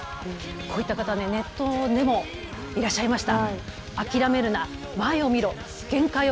こういった方がネットでもいらっしゃいました。